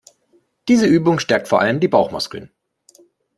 Diese Übung stärkt vor allem die Bauchmuskeln.